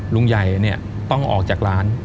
ลุงใหญ่ต้องออกจากร้าน